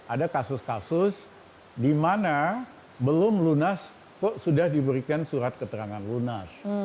ada kasus kasus di mana belum lunas kok sudah diberikan surat keterangan lunas